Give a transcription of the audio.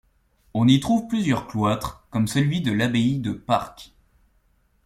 On y trouve plusieurs cloîtres, comme celui de l'abbaye de Parc.